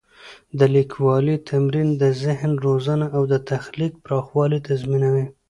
د لیکوالي تمرین د ذهن روزنه او د تخلیق پراخوالی تضمینوي.